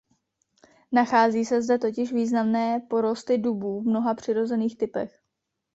Nachází se zde totiž významné porosty dubů v mnoha přirozených typech.